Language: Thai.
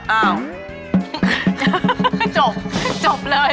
จบจบเลย